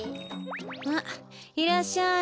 あっいらっしゃい。